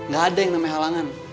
gak ada yang namanya halangan